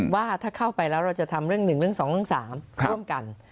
ว่าถ้าเข้าไปแล้วเราจะทำเรื่อง๑เรื่อง๒เรื่อง๓ร่วมกัน